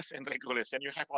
terima kasih ibu sekda